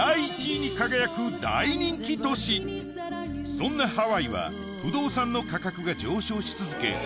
そんなハワイは不動産の価格が上昇し続け